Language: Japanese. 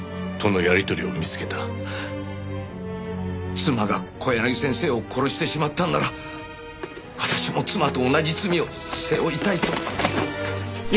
妻が小柳先生を殺してしまったんなら私も妻と同じ罪を背負いたいと。